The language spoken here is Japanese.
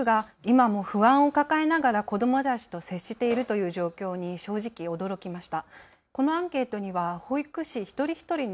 保育士の多くが今も不安を抱えながら子どもたちと接しているという状況に正直驚きました。